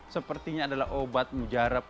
sepertinya adalah obat mujarab